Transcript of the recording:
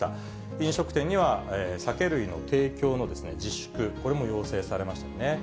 飲食店には、酒類の提供の自粛、これも要請されましたよね。